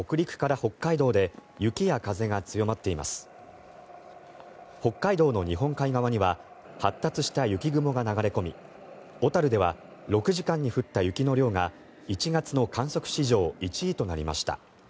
北海道の日本海側には発達した雪雲が流れ込み小樽では６時間に降った雪の量が１月の観測史上１位となりました。